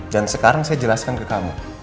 dan sekarang saya jelaskan ke kamu